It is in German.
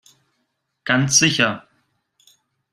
Ganz sicher.